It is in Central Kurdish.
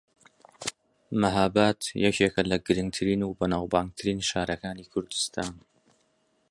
مەھاباد یەکێکە لە گرنگترین و بەناوبانگترین شارەکانی کوردستان